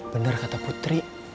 bener kata putri